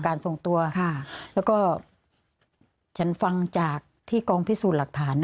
แล้วก็ชั้นฟังจากที่กองภิสูจน์หลักฐาน